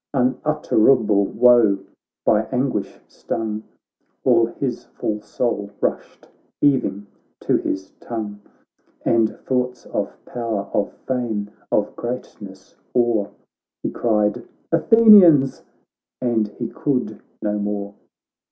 Unutterable woe ! by anguish stung All his full soul rushed heaving to his tongue, And thoughts of power, of fame, of greatness o'er, He cried ' Athenians !' and he could no more.